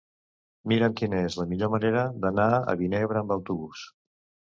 Mira'm quina és la millor manera d'anar a Vinebre amb autobús.